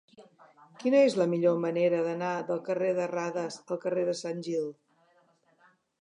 Quina és la millor manera d'anar del carrer de Radas al carrer de Sant Gil?